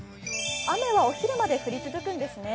雨はお昼まで降り続くんですね。